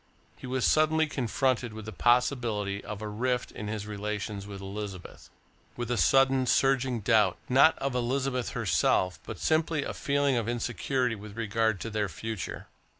He was suddenly confronted with the possibility of a rift in his relations with Elizabeth; with a sudden surging doubt, not of Elizabeth herself but simply a feeling of insecurity with regard to their future.